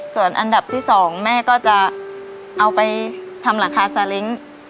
ส่วนอันดับที่๒แม่ก็จะเอาไปทำหลังคาซาเล้ง